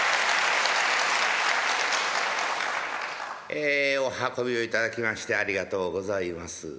えお運びをいただきましてありがとうございます。